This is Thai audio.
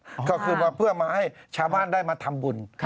เพื่อมาโปรดศัตริย์ก็คือเพื่อมาให้ชาวบ้านได้มาทำบุญ